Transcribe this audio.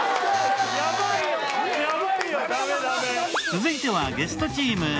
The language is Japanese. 続いてはゲストチーム。